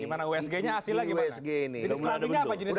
jenis kelaminnya apa jenis kelaminnya